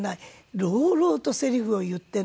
朗々とせりふを言ってるのが。